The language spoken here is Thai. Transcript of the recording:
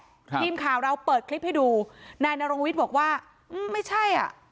ทีมข่าวเราเปิดคลิปให้ดูนายนรงวิทย์บอกว่าอืมไม่ใช่อ่ะ